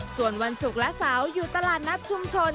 ส่วนวันศุกร์และเสาร์อยู่ตลาดนัดชุมชน